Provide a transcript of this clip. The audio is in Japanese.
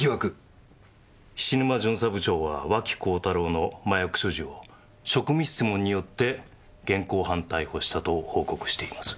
菱沼巡査部長は脇幸太郎の麻薬所持を職務質問によって現行犯逮捕したと報告しています。